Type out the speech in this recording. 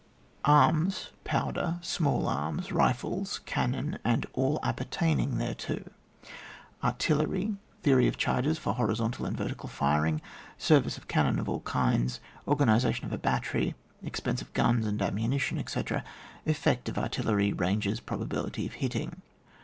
ArfM, Powder, small arms, rifles, cannon, and all appertaining thereto. ArtilUry. Theory of charges for horizontal and vertical firing. Service of cannon of all kinds. Oi^anisation of a battery. Expense of guns, and ammunition, etc. Efltect of artillery — oranges — ^probability of hitting.